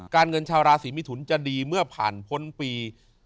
เงินชาวราศีมิถุนจะดีเมื่อผ่านพ้นปี